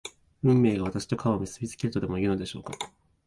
運命が私と川を結びつけるとでもいうのでしょうか